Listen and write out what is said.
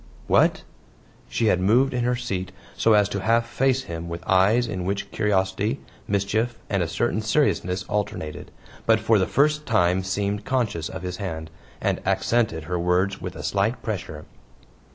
"What?" She had moved in her seat so as to half face him with eyes in which curiosity, mischief, and a certain seriousness alternated, but for the first time seemed conscious of his hand, and accented her words with a slight pressure.